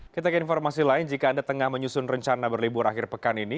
kita ke informasi lain jika anda tengah menyusun rencana berlibur akhir pekan ini